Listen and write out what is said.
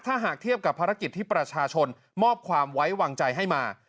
ถ้าหากเทียบกับภารกิจที่ประชาชนมอบความไว้วางใจให้มา